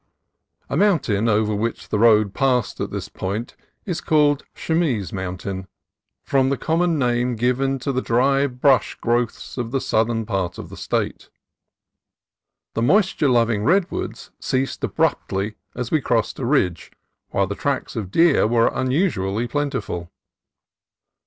A mountain over which the road passed at this point is called Chamise Mountain, from the common name given to the dry brush growths of the southern part of the State. The moisture loving redwoods ceased abruptly as we crossed a ridge, while the tracks of deer were unusually plentiful.